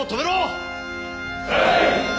はい。